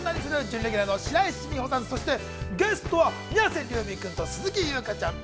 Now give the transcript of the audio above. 準レギュラーの白石美帆さん、そしてゲストは宮世琉弥君と鈴木ゆうかちゃん。